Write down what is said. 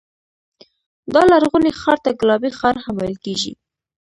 دا لرغونی ښار ته ګلابي ښار هم ویل کېږي.